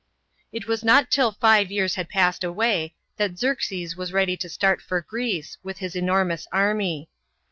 It was not till five years had passed away, that Xerxes was ready to start for Greece, with his enormous army.